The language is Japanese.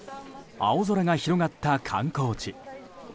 青空が広がった観光地。